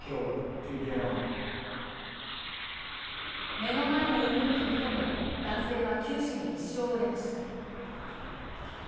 目の前の海に飛び込み男性は九死に一生を得ました。